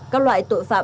trên địa bàn tỉnh